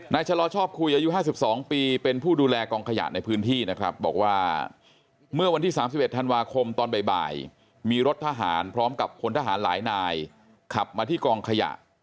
ชะลอชอบคุยอายุ๕๒ปีเป็นผู้ดูแลกองขยะในพื้นที่นะครับบอกว่าเมื่อวันที่๓๑ธันวาคมตอนบ่ายมีรถทหารพร้อมกับพลทหารหลายนายขับมาที่กองขยะ